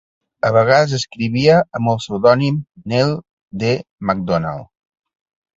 A vegades escrivia amb el pseudònim "Neil D. MacDonald".